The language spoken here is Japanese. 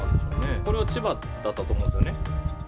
これは千葉だったと思うんですよ